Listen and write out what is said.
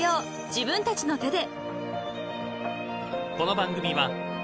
自分たちの手で］